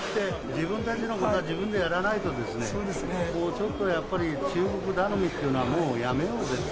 自分たちのことは自分でやらないとですね、もうちょっとやっぱり中国頼みっていうのはもうやめようぜって。